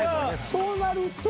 そうなると。